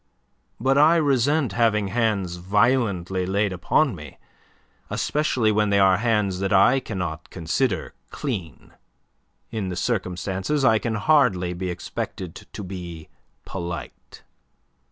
But I resent having hands violently laid upon me, especially when they are hands that I cannot consider clean. In the circumstances I can hardly be expected to be polite."